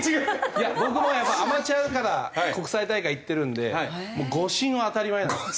いや僕もやっぱアマチュアから国際大会いってるんで誤審は当たり前なんですよ。